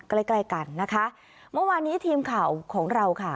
ใกล้ใกล้กันนะคะเมื่อวานนี้ทีมข่าวของเราค่ะ